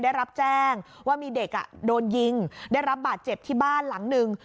ได้รับแจ้งว่ามีเด็กโดนยิงได้รับบาดเจ็บที่บ้านหลังหนึ่ง